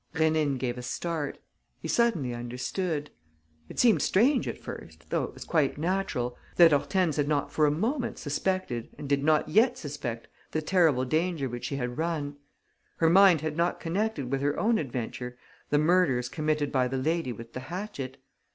Rénine gave a start. He suddenly understood it seemed strange at first, though it was quite natural that Hortense had not for a moment suspected and did not yet suspect the terrible danger which she had run. Her mind had not connected with her own adventure the murders committed by the lady with the hatchet.